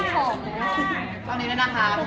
ขอบคุณแม่ก่อนต้องกลางนะครับ